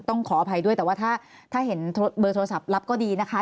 ขออภัยด้วยแต่ว่าถ้าเห็นเบอร์โทรศัพท์รับก็ดีนะคะ